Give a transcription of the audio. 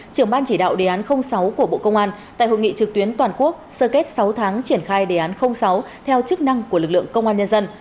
trưởng ban chỉ đạo đề án sáu của bộ công an tại hội nghị trực tuyến toàn quốc sơ kết sáu tháng triển khai đề án sáu theo chức năng của lực lượng công an nhân dân